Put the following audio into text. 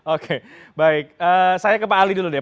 oke baik saya ke pak ali dulu deh